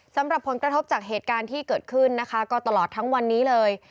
สำหรับผลกระทบจากเหตุการณ์ที่เกิดขึ้นนะคะก็ตลอดทั้งวันนี้เลย